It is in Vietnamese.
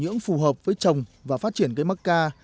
nhưỡng phù hợp với trồng và phát triển cây mắc ca